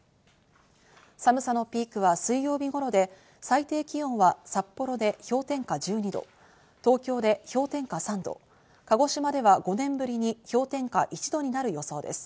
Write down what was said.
寒さのピークは水曜日頃で、最低気温は札幌で氷点下１２度、東京で氷点下３度、鹿児島では５年ぶりに氷点下１度になる予想です。